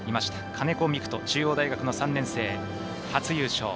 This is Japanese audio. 金子魅玖人、中央大学の３年生初優勝。